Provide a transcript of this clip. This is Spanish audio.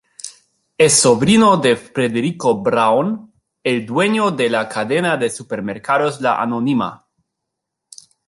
Es sobrino de Federico Braun, el dueño de la cadena de supermercados La Anónima.